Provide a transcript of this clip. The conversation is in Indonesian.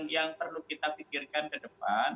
yang perlu kita pikirkan ke depan